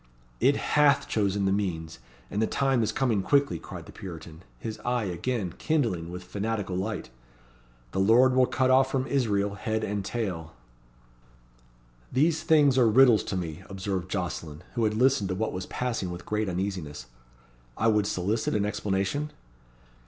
"It hath chosen the means, and the time is coming quickly," cried the Puritan, his eye again kindling with fanatical light. "'The Lord will cut off from Israel head and tail.'" "These things are riddles to me," observed Jocelyn, who had listened to what was passing with great uneasiness. "I would solicit an explanation?"